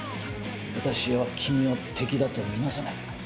私は君を敵だと見なさない。